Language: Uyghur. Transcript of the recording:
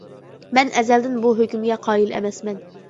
مەن ئەزەلدىن بۇ ھۆكۈمگە قايىل ئەمەسمەن.